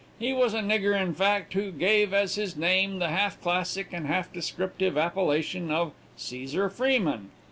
He was a nigger, in fact, who gave as his name the half classic and half descriptive appellation of Cesar Freeman.